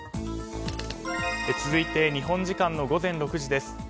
続いて、日本時間の午前６時です。